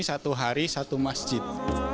satu hari satu masjid